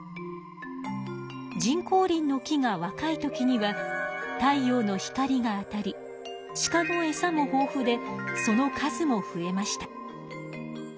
人工林の木がわかい時には太陽の光が当たりシカのエサも豊富でその数も増えました。